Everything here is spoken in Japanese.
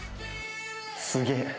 すげえ！